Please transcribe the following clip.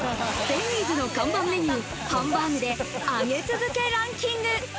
デニーズの看板メニュー、ハンバーグで上げ続けランキング。